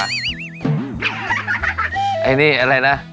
ไอ้นี่อะไรนะ